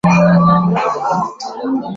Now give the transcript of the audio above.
海弗格尔是一位英国圣诗作者。